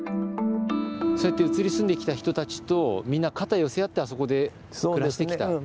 そうやって移り住んできた人たちとみんな肩寄せ合ってあそこで暮らしてきた。